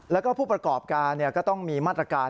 แล้วก็ผู้ประกอบการก็ต้องมีมาตรการ